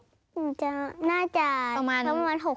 น้ำตาตกโคให้มีโชคเมียรสิเราเคยคบกันเหอะน้ำตาตกโคให้มีโชค